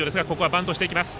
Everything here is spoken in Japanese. バントしていきました